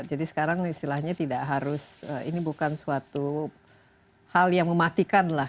jadi sekarang istilahnya tidak harus ini bukan suatu hal yang mematikan lah